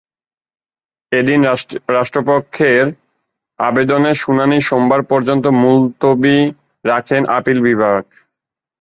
এদিন রাষ্ট্রপক্ষের আবেদনের শুনানি সোমবার পর্যন্ত মুলতবি রাখেন আপিল বিভাগ।